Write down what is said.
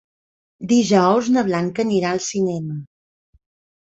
Dijous na Blanca anirà al cinema.